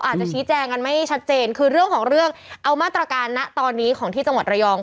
อาจจะชี้แจงกันไม่ชัดเจนคือเรื่องของเรื่องเอามาตรการนะตอนนี้ของที่จังหวัดระยอง